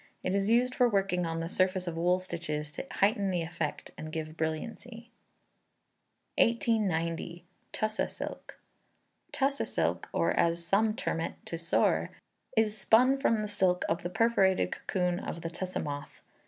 It is used for working on the surface of wool stitches to heighten the effect and give brilliancy. 1890. Tusseh Silk. Tusseh silk or, as some term it, "Tussore," is spun from the silk of the perforated cocoon of the tusseh moth.